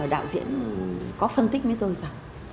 đạo diễn có phân tích với tôi rằng